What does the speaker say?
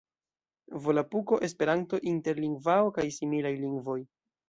Volapuko, Esperanto, Interlingvao kaj similaj lingvoj.